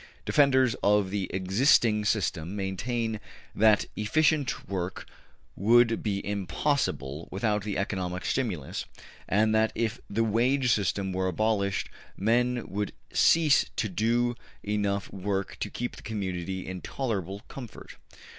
Defenders of the existing system maintain that efficient work would be impossible without the economic stimulus, and that if the wage system were abolished men would cease to do enough work to keep the community in tolerable comfort.